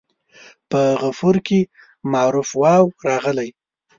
په غفور کې معروف واو راغلی.